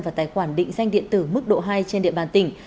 và tài khoản định danh điện tử mức độ hai trên địa bàn tỉnh